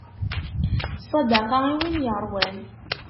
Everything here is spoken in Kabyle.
Ssadaqa i win yeṛwan.